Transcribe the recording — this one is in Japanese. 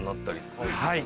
はい。